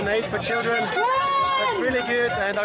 bagi masyarakat bali khususnya